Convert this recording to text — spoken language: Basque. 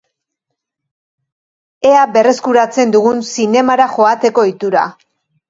Ea berreskuratzen dugun zinemara joateko ohitura.